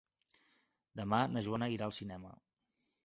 Demà na Joana irà al cinema.